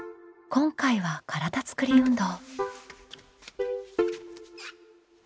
今回は「体つくり運動」。